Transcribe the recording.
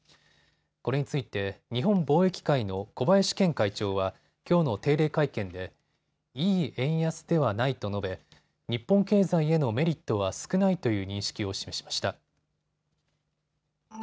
これについて日本貿易会の小林健会長はきょうの定例会見でいい円安ではないと述べ日本経済へのメリットは少ないという認識を示しました。